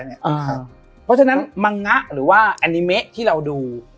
เพราะฉะนั้นมังงะหรือว่าแอนิเมะที่เราดู